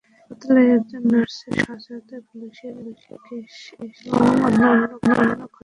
হাসপাতালের একজন নার্সের সহায়তায় পুলিশ কেস এবং অন্যান্য ঘটনা ঘটতে থাকে।